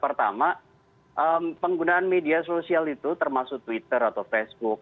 pertama penggunaan media sosial itu termasuk twitter atau facebook